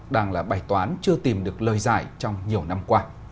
đang là bài toán chưa tìm được lời giải trong nhiều năm qua